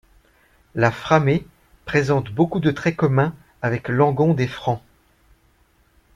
La framée présente beaucoup de traits communs avec l'angon des Francs.